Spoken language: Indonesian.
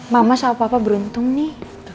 mama sama papa beruntung nih